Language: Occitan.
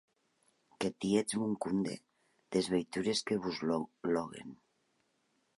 Que tietz bon compde des veitures que vos lòguen!